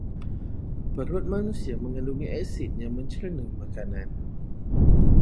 Perut manusia megandungi asid yang mencerna makanan.